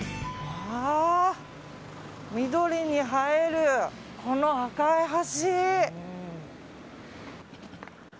緑に映える、この赤い橋。